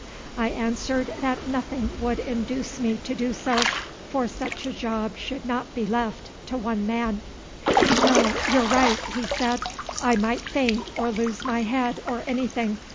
I answered that nothing would induce me to do so, for such a job should not be left to one man. "No, you're right," he said; "I might faint or lose my head or anything.